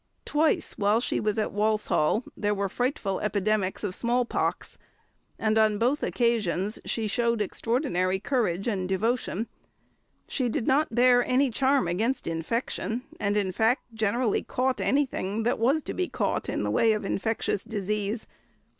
Twice while she was at Walsall, there were frightful epidemics of small pox, and on both occasions she showed extraordinary courage and devotion. She did not bear any charm against infection, and in fact generally caught anything that was to be caught in the way of infectious disease.